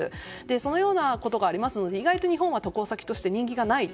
そのようなことがありますので意外と日本は渡航先として人気がないと。